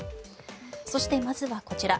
そしてまずはこちら。